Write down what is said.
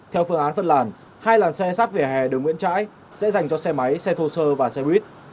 theo phương án phân làn hai làn xe sát về hè đường nguyễn trãi sẽ dành cho xe máy xe thô sơ và xe buýt